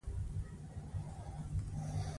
د کورونو او ودانیو په منځ کې مزل وکړ.